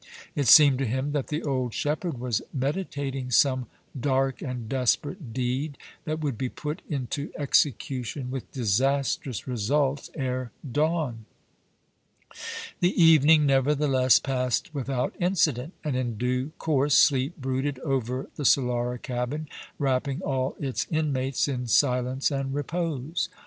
It seemed to him that the old shepherd was meditating some dark and desperate deed that would be put into execution with disastrous results ere dawn. The evening, nevertheless, passed without incident, and in due course sleep brooded over the Solara cabin, wrapping all its inmates in silence and repose.